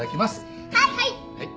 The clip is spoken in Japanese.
はい。